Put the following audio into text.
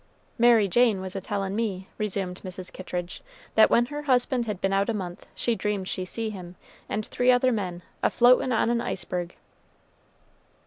"Mary Jane was a tellin' me," resumed Mrs. Kittridge, "that when her husband had been out a month, she dreamed she see him, and three other men, a floatin' on an iceberg."